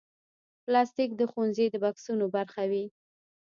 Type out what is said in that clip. پلاستيک د ښوونځي د بکسونو برخه وي.